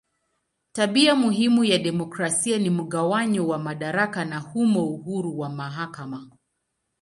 Tabia muhimu ya demokrasia ni mgawanyo wa madaraka na humo uhuru wa mahakama.